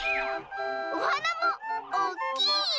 おはなもおっきい！